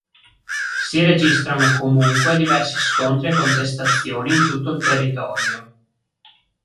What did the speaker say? Si registrarono comunque diversi scontri e contestazioni in tutto il territorio.